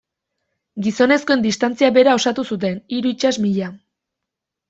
Gizonezkoen distantzia bera osatu zuten, hiru itsas milia.